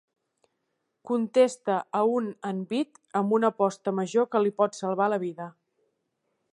Contesta a un envit amb una aposta major que li pot salvar la vida.